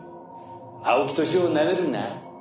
青木年男をなめるな。